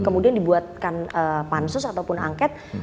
kemudian dibuatkan pansus ataupun angket